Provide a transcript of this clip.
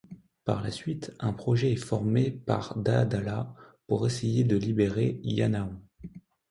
Par la suite, un projet est formé par Dadala pour essayer de libérer Yanaon.